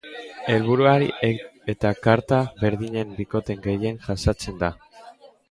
Helburua ahalik eta karta berdinen bikote gehien jasotzea da.